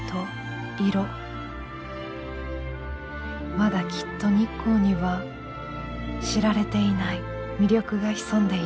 まだきっと日光には知られていない魅力が潜んでいる。